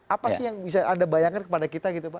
apa sih yang bisa anda bayangkan kepada kita gitu pak